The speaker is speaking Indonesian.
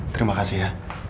terima kasih ya